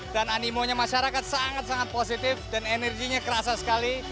dan animonya masyarakat sangat sangat positif dan energinya kerasa sekali